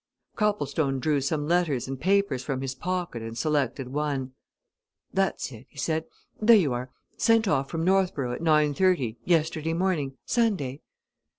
Copplestone drew some letters and papers from his pocket and selected one. "That's it," he said. "There you are sent off from Northborough at nine thirty, yesterday morning Sunday."